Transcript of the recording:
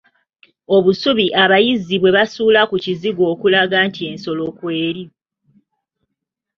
Obusubi abayizzi bwe basuula ku kizigo okulaga nti ensolo kweri.